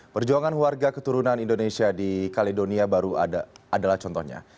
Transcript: perjuangan warga keturunan indonesia di kaledonia baru adalah contohnya